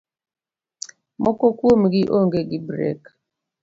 Moko kuomgi onge gi brek